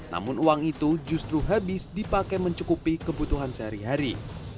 namun uang itu justru habis dipakai mencukupi kebutuhan sehari hari